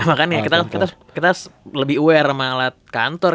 maka kita harus lebih aware sama alat kantor kan